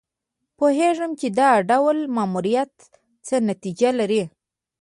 پوهېږي چې دا ډول ماموریت څه نتیجه لري.